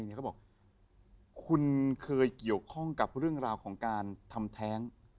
เขาบอกคุณเคยเกี่ยวข้องกับเรื่องราวของการทำแท้ง